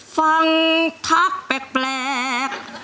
ฟังทักแปลก